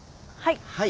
はい。